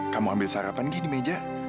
kamu ambil sarapan gini meja